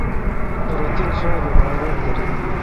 پرو تین سواب باگ رل دارل۔